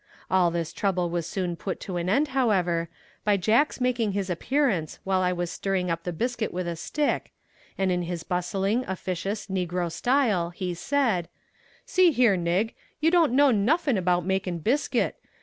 All this trouble was soon put to an end, however, by Jack's making his appearance while I was stirring up the biscuit with a stick, and in his bustling, officious, negro style, he said: "See here nig you don't know nuffin bout makin bisket.